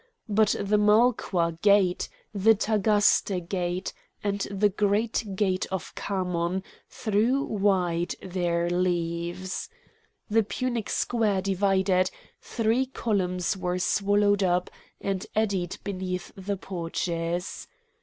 But the Malqua gate, the Tagaste gate, and the great gate of Khamon threw wide their leaves. The Punic square divided; three columns were swallowed up, and eddied beneath the porches.